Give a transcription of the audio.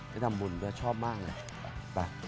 ไปทำบุญด้วยชอบมากเลยไป